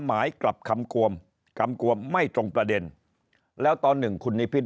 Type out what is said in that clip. หมายกลับคำกวมคำกวมไม่ตรงประเด็นแล้วตอนหนึ่งคุณนิพิษ